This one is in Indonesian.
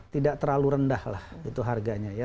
tidak terlalu rendah lah itu harganya ya